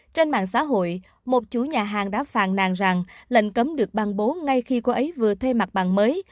trên mạng xã hội một chủ nhà hàng đã phàn nàn rằng lệnh cấm được ban bố ngay khi cô ấy vừa thuê mặt bàn mới